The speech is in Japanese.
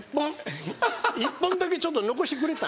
１本だけちょっと残してくれた。